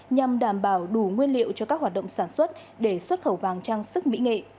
nhằm đảm bảo đủ nguyên liệu cho các hoạt động sản xuất để xuất khẩu vàng trang sức mỹ nghệ